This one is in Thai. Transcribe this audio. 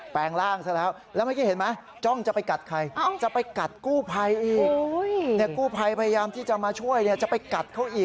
แปลงร่างซะแล้วแล้วเมื่อกี้เห็นไหมจ้องจะไปกัดใคร